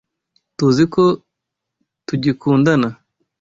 TUZI ko tugikundana.